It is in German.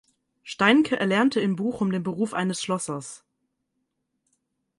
Steinke erlernte in Bochum den Beruf eines Schlossers.